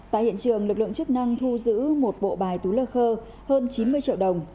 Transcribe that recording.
tại hiện trường lực lượng chức năng thu giữ một bộ bài tú lơ khơ hơn chín mươi triệu đồng